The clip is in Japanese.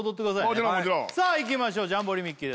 もちろんもちろんさあいきましょう「ジャンボリミッキー！」